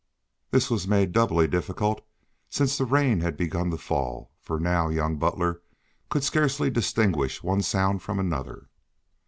This was made doubly difficult since the rain had begun to fall, for now, young Butler could scarcely distinguish one sound from another.